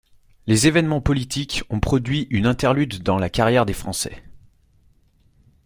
Les événements politiques ont produit une interlude dans la carrière de Français.